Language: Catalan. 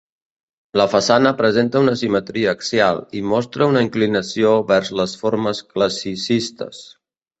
La façana presenta una simetria axial i mostra una inclinació vers les formes classicistes.